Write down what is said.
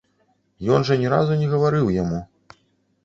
Ён жа ні разу не гаварыў яму.